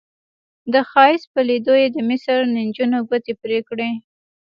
د ښایست په لیدو یې د مصر نجونو ګوتې پرې کولې.